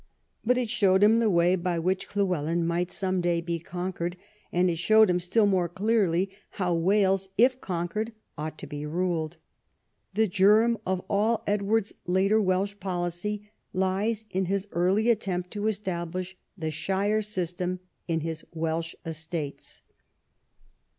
But it showed him the way by which Llywelyn might some day be conquered, and it showed him still more clearly how Wales, if conquered, ought to be ruled. The germ of all Edward's later Welsh policy lies in his early attempt to establish the shire system in his Welsh estates.